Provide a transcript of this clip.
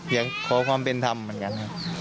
อยากขอความเป็นธรรมเหมือนกันครับ